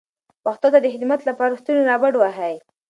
پښتو ته د خدمت لپاره لستوڼي را بډ وهئ.